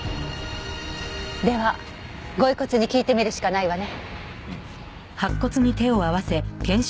では御遺骨に聞いてみるしかないわね。